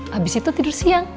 habis itu tidur siang